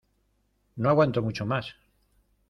¡ No aguanto mucho más!